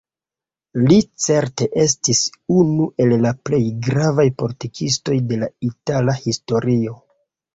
Li certe estis unu el la plej gravaj politikistoj de la itala historio.